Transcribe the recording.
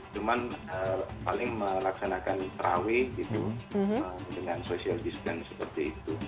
cuman paling melaksanakan terawih gitu dengan social distance seperti itu